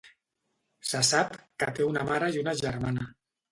Se sap que té una mare i una germana.